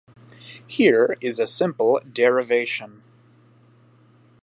Here is a simple derivation.